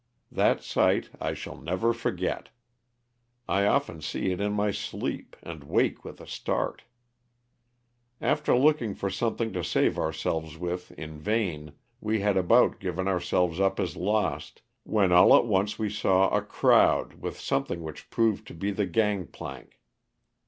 That sight I shall never forget ; I often see it in my sleep, and wake with a start. After looking for something to save ourselves with in vain, we had about given ourselves up as lost, when all at once we saw a crowd with something which proved to be the gang plank.